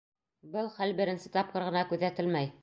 Был хәл беренсе тапҡыр ғына күҙәтелмәй.